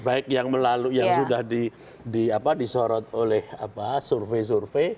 baik yang melalui yang sudah disorot oleh survei survei